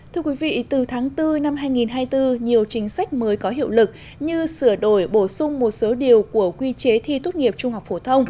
thưa quý vị từ tháng bốn năm hai nghìn hai mươi bốn nhiều chính sách mới có hiệu lực như sửa đổi bổ sung một số điều của quy chế thi tốt nghiệp trung học phổ thông